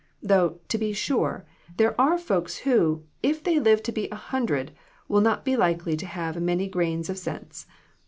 Though, to be sure, there are folks who, if they live to be a hundred, will not be likely to have many grains of sense.